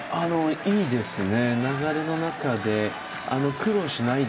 いいですね。